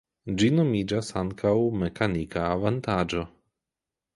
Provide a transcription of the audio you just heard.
Ĝi nomiĝas ankaŭ mekanika avantaĝo.